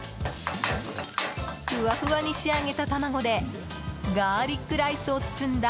ふわふわに仕上げた卵でガーリックライスを包んだ